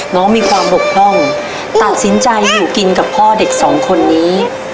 มีความบกพร่องตัดสินใจอยู่กินกับพ่อเด็กสองคนนี้